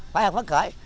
phải không phấn khởi